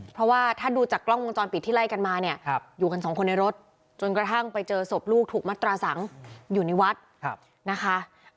เพราะว่าถ้าดูจากกล้องวงจรปิดที่ไล่กันมาเนี่ยอยู่กันสองคนในรถจนกระทั่งไปเจอศพลูกถูกมัตราสังอยู่ในวัดนะคะ